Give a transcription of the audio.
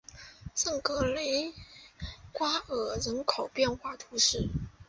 圣格雷瓜尔人口变化图示